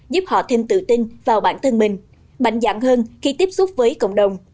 giúp họ thêm tự tin vào bản thân mình mạnh dạng hơn khi tiếp xúc với cộng đồng